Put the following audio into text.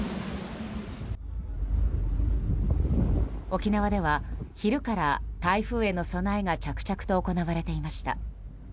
沖縄では昼から台風への備えが着々と行われていました。